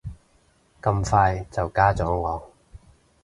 咁快就加咗我